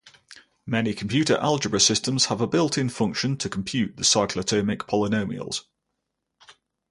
Many computer algebra systems have a built in function to compute the cyclotomic polynomials.